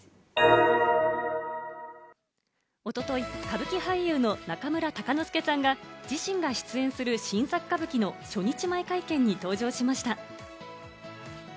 おととい歌舞伎俳優の中村鷹之資さんが自身が出演する新作歌舞伎の初日前会見に登場しました。